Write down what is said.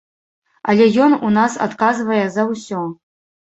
Але ён у нас адказвае за ўсё!